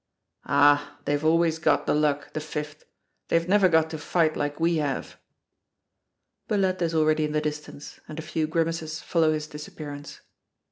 "Ah, they've always got the luck, the Fifth. They've never got to fight like we have!" Billette is already in the distance, and a few grimaces follow his disappearance.